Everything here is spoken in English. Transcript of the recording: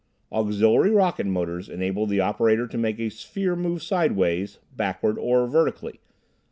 Auxiliary rocket motors enabled the operator to make a sphere move sidewise, backward or vertically.